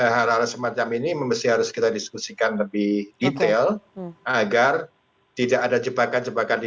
hal hal semacam ini mesti harus kita diskusikan lebih detail agar tidak ada jebakan jebakan di